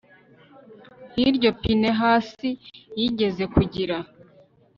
nk'iryo pinehasi yigeze kugira